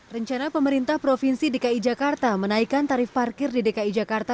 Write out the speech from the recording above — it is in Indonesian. rencana pemerintah provinsi dki jakarta menaikkan tarif parkir di dki jakarta